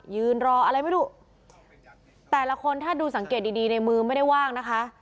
ยืนรออะไรไม่รู้แต่ละคนถ้าดูสังเกตดีดีในมือไม่ได้ว่างนะคะ